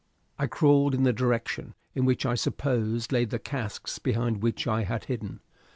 I crawled in the direction in which I supposed lay the casks behind which I had hidden.